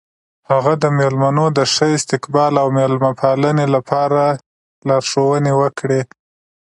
هغه د میلمنو د ښه استقبال او میلمه پالنې لپاره لارښوونې وکړې.